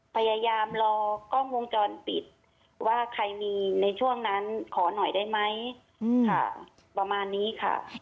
พยายามรอกล้องวงจรปิดว่าใครมีในช่วงนั้นขอหน่อยได้ไหมค่ะประมาณนี้ค่ะ